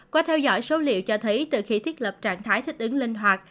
qua theo dõi số liệu cho thấy từ khi thiết lập trạng thái thích ứng linh hoạt